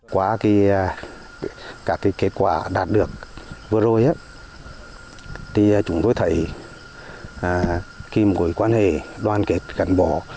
quá các kết quả đạt được vừa rồi chúng tôi thấy khi mối quan hệ đoàn kết gắn bỏ